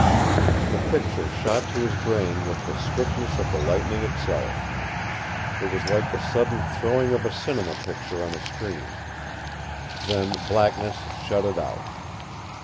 The picture shot to his brain with the swiftness of the lightning itself. It was like the sudden throwing of a cinema picture on a screen. Then blackness shut it out.